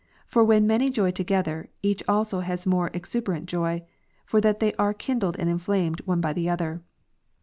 For when many joy together, each also has more exu berant joy ; for that they are kindled and inflamed one by the other.